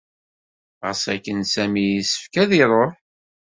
Ɣas akken, Sami yessefk ad iṛuḥ.